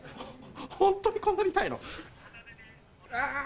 本当にこんなに痛いの？